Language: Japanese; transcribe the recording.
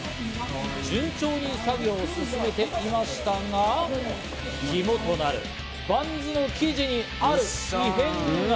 順調に作業を進めていましたが、肝となるバンスの生地にある異変が。